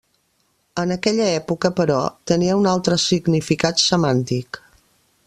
En aquella època, però, tenia un altre significat semàntic.